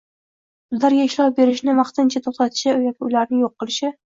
ularga ishlov berishni vaqtincha to‘xtatishi yoki ularni yo‘q qilishi;